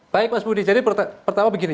baik mas budi jadi pertama begini